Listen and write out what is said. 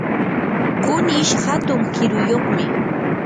kunish hatun kiruyuqmi.